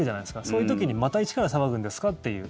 そういう時に、また一から騒ぐんですかっていう。